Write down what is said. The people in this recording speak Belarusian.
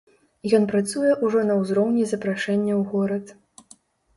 Ён працуе ўжо на ўзроўні запрашэння ў горад.